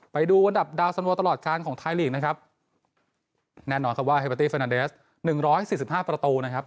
ไปดูอันดับดาวสั่นวอตตลอดการณ์ของไทยลีกแน่นอนว่าเฮเมดตี้เฟนันเดส๑๔๕ประตู